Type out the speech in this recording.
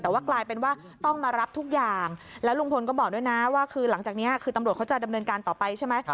แต่ว่ากลายเป็นว่าต้องมารับทุกอย่างแล้วลุงพลก็บอกด้วยนะว่าคือหลังจากนี้คือตำรวจเขาจะดำเนินการต่อไปใช่ไหม